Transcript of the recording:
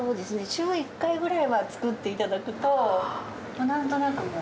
週１回ぐらいは作って頂くとなんとなくもう。